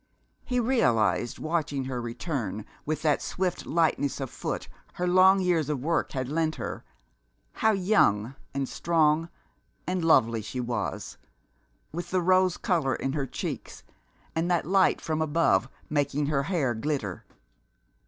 He realized, watching her return with that swift lightness of foot her long years of work had lent her, how young and strong and lovely she was, with the rose color in her cheeks and the light from above making her hair glitter.